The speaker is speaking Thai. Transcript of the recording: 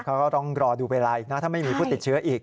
เขาก็ต้องรอดูเวลาอีกนะถ้าไม่มีผู้ติดเชื้ออีก